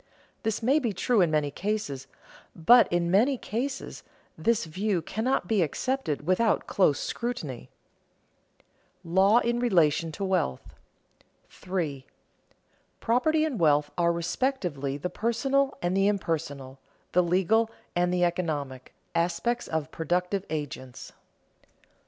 This may be true in many cases, but in many cases this view cannot be accepted without close scrutiny. [Sidenote: Law in relation to wealth] 3. _Property and wealth are respectively the personal and the impersonal, the legal and the economic, aspects of productive agents.